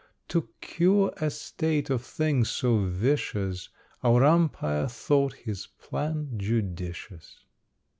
To cure a state of things so vicious, Our Umpire thought his plan judicious.